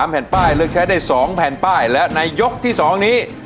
แผ่นป้ายเลือกใช้ได้๒แผ่นป้ายและในยกที่๒นี้